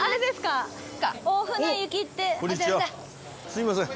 すいません。